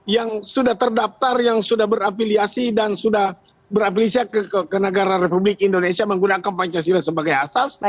yang sudah terdaftar yang sudah berafiliasi dan sudah berafiliasia ke negara republik indonesia menggunakan pancasila sebagai asas